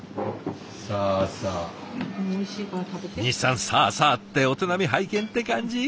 西さん「さあさあ」ってお手並み拝見って感じ？